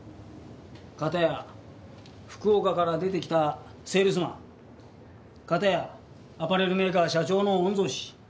片や福岡から出てきたセールスマン片やアパレルメーカー社長の御曹司。